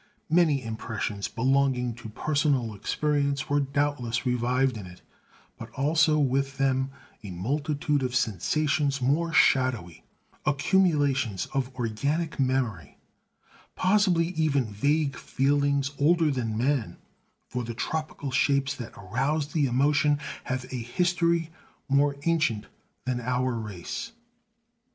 Many impressions belonging to personal experience were doubtless revived in it, but also with them a multitude of sensations more shadowy, accumulations of organic memory; possibly even vague feelings older than man, for the tropical shapes that aroused the emotion have a history more ancient than our race.